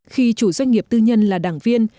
khi chủ doanh nghiệp tư nhân là đảng viên